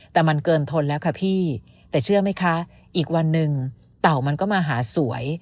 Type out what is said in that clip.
แต่มันเกินทนแล้วค่ะพี่แต่เชื่อไหมคะอีกวันหนึ่งเต่ามันก็มาหาสวย